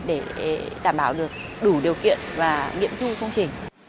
để đảm bảo được đủ điều kiện và nghiệm thu công trình